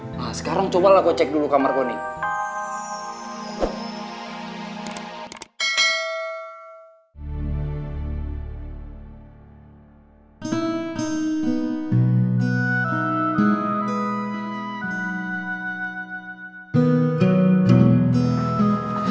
nah sekarang cobalah aku cek dulu kamar kau nih